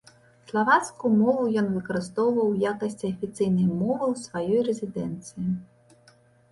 Славацкую мову ён выкарыстоўваў у якасці афіцыйнай мовы ў сваёй рэзідэнцыі.